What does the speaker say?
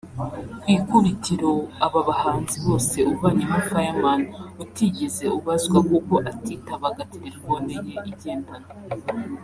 Ku ikubitiro aba bahanzi bose uvanyemo Fireman utigeze ubazwa kuko atitabaga telefone ye igendanwa